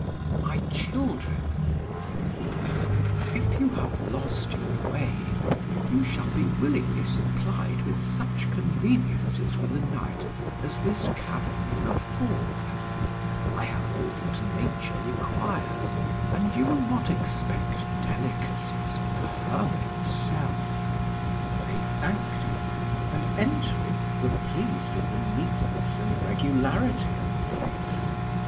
"My children," said he, "if you have lost your way, you shall be willingly supplied with such conveniences for the night as this cavern will afford. I have all that Nature requires, and you will not expect delicacies in a hermit's cell." They thanked him; and, entering, were pleased with the neatness and regularity of the place.